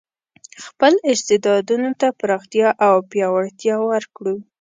خپل استعدادونو ته پراختیا او پیاوړتیا ورکړو.